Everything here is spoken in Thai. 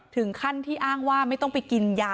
ถึงขั้นที่อ้างว่าไม่ต้องไปกินยา